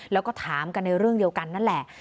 แล้วก็ถามกันในเรื่องเดียวกันนั่นแหละ